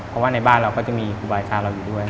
เพราะว่าในบ้านเราก็จะมีครูบาอาจารย์เราอยู่ด้วย